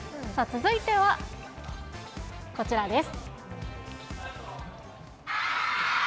続いてはこちらです。